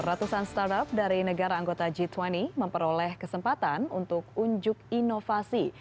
ratusan startup dari negara anggota g dua puluh memperoleh kesempatan untuk unjuk inovasi